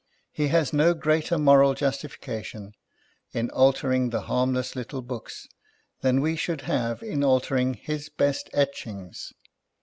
He has no greater moral justi fication in altering the harmless little books than we should have in altering his best etchings.